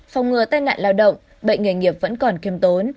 phòng ngừa tai nạn lao động bệnh nghề nghiệp vẫn còn kiêm tốn